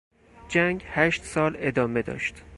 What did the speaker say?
جنگ هشت سال ادامه داشت.